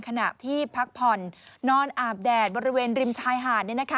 ขณะที่พักผ่อนนอนอาบแดดบริเวณริมชายหาด